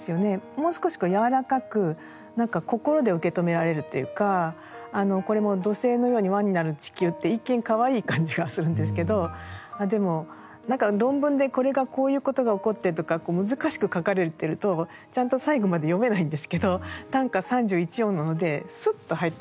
もう少し柔らかくこれも「土星のように輪になる地球」って一見かわいい感じがするんですけどでも何か論文でこれがこういうことが起こってとか難しく書かれてるとちゃんと最後まで読めないんですけど短歌３１音なのでスッと入ってくるんですよね。